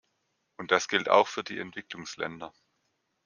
Und das gilt auch für die Entwicklungsländer.